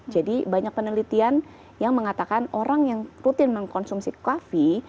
jadi banyak penelitian yang mengatakan orang yang rutin mengkonsumsi kafein